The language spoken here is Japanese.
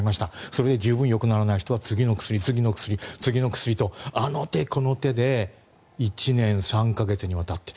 それで十分よくならない人は次の薬、次の薬、次の薬とあの手この手で１年３か月にわたって。